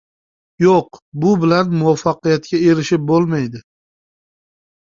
— Yo‘q, bu bilan muvaffaqiyatga erishib bo‘lmaydi.